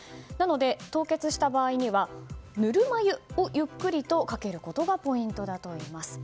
凍結した場合にはぬるま湯をゆっくりかけることがポイントだといいます。